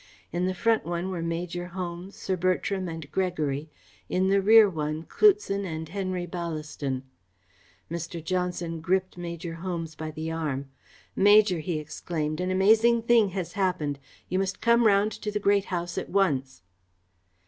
In the front one were Major Holmes, Sir Bertram and Gregory, in the rear one Cloutson and Henry Ballaston. Mr. Johnson gripped Major Holmes by the arm. "Major," he exclaimed, "an amazing thing has happened. You must come round to the Great House at once."